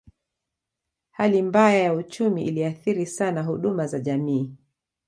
Hali mbaya ya uchumi iliathiri sana huduma za jamii